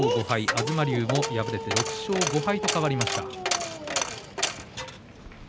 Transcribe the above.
東龍も敗れて６勝５敗と変わりました。